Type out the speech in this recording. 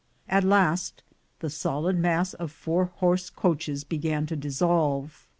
At last the solid mass of four horse coaches began to dissolve.